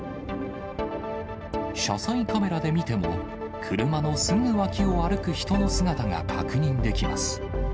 車載カメラで見ても、車のすぐ脇を歩く人の姿が確認できます。